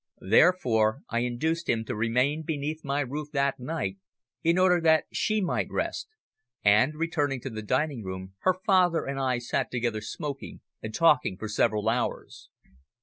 Therefore I induced him to remain beneath my roof that night, in order that she might rest, and, returning to the dining room, her father and I sat together smoking and talking for several hours.